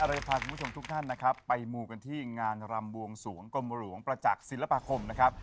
เราจะพาคุณผู้ชมทุกท่านนะครับไปมูกันที่งานรำบวงสวงกรมหลวงประจักษ์ศิลปาคมนะครับ